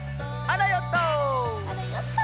あらヨット！